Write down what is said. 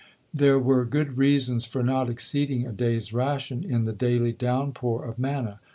'" There were good reasons for not exceeding a day's ration in the daily downpour of manna.